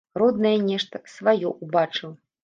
Роднае нешта, сваё ўбачыў.